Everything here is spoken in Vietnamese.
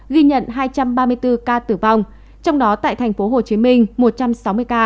ghi nhận hai trăm ba mươi bốn ca tử vong trong đó tại thành phố hồ chí minh một trăm sáu mươi ca